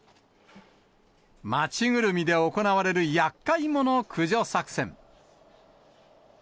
街ぐるみで行われるやっかい者駆除作戦。